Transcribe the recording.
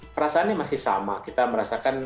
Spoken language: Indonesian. perasaannya masih sama kita merasakan